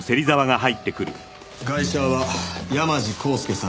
ガイシャは山路康介さん６８歳。